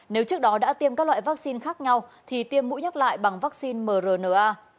nếu trước đó đã tiêm các loại vaccine khác nhau thì tiêm mũi nhắc lại bằng vaccine mrna